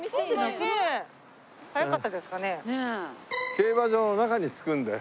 競馬場の中につくんだよ。